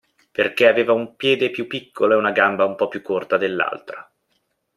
Perché aveva un piede più piccolo e una gamba un po' più corta dell'altra.